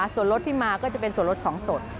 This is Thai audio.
ส่วนรสที่มาก็จะเป็นส่วนรสของสด